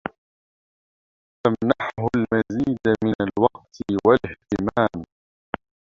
فامنحه المزيد من الوقت والاهتمام.